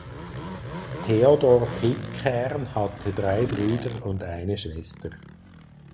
Theodore Pitcairn hatte drei Brüder und eine Schwester.